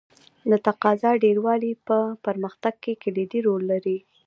د تقاضا ډېروالی په پرمختګ کې کلیدي رول لري.